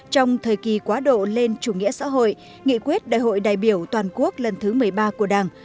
trong thời kỳ quá độ lên chủ nghĩa xã hội nghị quyết đại hội đại biểu toàn quốc lần thứ một mươi ba của đảng